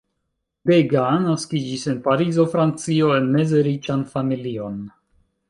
Degas naskiĝis en Parizo, Francio, en meze riĉan familion.